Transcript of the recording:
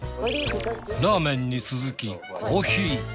ラーメンに続きコーヒー。